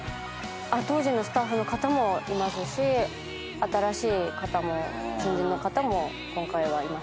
当時のスタッフの方もいますし新しい方も新人の方も今回はいましたね。